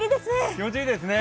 気持ちいいですね。